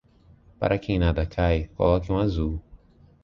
Para quem nada cai, coloque um azul.